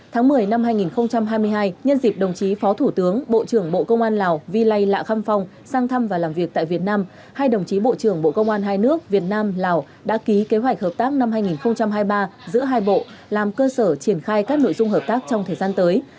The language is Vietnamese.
tháng một mươi năm hai nghìn hai mươi hai nhân dịp đồng chí phó thủ tướng bộ trưởng bộ công an lào vi lây lạ khăm phong sang thăm và làm việc tại việt nam hai đồng chí bộ trưởng bộ công an hai nước việt nam lào đã ký kế hoạch hợp tác năm hai nghìn hai mươi ba giữa hai bộ làm cơ sở triển khai các nội dung hợp tác trong thời gian tới